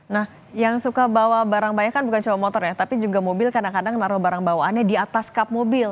nah yang suka bawa barang banyak kan bukan cuma motor ya tapi juga mobil kadang kadang naruh barang bawaannya di atas kap mobil